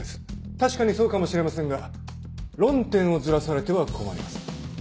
確かにそうかもしれませんが論点をずらされては困ります。